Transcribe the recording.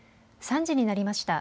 ３時になりました。